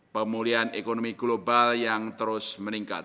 pemulihan ekonomi global yang terus meningkat